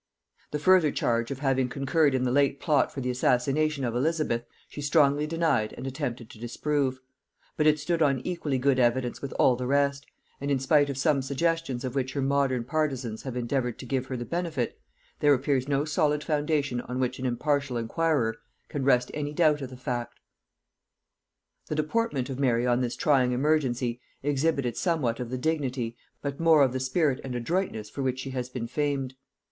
The further charge of having concurred in the late plot for the assassination of Elizabeth, she strongly denied and attempted to disprove; but it stood on equally good evidence with all the rest; and in spite of some suggestions of which her modern partisans have endeavoured to give her the benefit, there appears no solid foundation on which an impartial inquirer can rest any doubt of the fact. The deportment of Mary on this trying emergency exhibited somewhat of the dignity, but more of the spirit and adroitness, for which she has been famed.